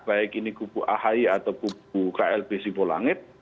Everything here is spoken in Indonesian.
baik ini kupu ahi atau kupu klb sipo langit